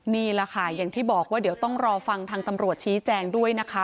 นี่แหละค่ะอย่างที่บอกว่าเดี๋ยวต้องรอฟังทางตำรวจชี้แจงด้วยนะคะ